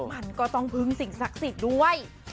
มันก็ต้องพึ่งสิ่งศักดิ์สิทธิ์ด้วย